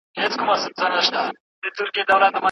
موږ تېر کال په خپل اصلي ماموریت باندي ښه پوه سولو.